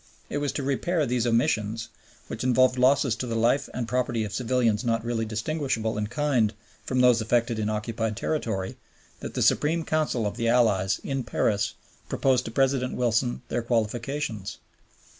It was to repair these omissions, which involved losses to the life and property of civilians not really distinguishable in kind from those effected in occupied territory, that the Supreme Council of the Allies in Paris proposed to President Wilson their qualifications.